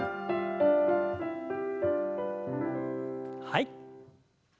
はい。